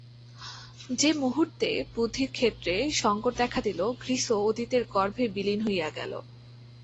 যে মুহূর্তে বুদ্ধির ক্ষেত্রে সঙ্কট দেখা দিল, গ্রীসও অতীতের গর্ভে বিলীন হইয়া গেল।